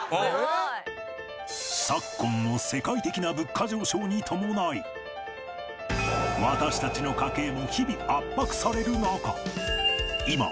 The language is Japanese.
昨今の世界的な物価上昇に伴い私たちの家計も日々圧迫される中。